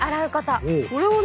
これはね。